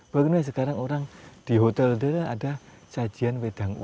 baru ini sekarang orang di hotel itu ada cajian wedang uuh